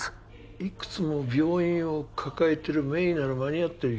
いくつも病院を抱えてる名医なら間に合ってるよ